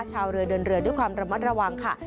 ชาวเรือเดินเรือด้วยความระมัดระวังค่ะ